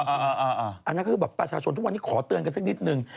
อันนั้นก็คือแบบประชาชนทุกวันนี้ขอเตือนกันสักนิดนึง